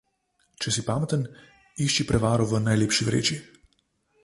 Če si pameten, išči prevaro v najlepši vreči.